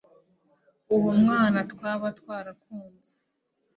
uwo mwana twaba twarakunze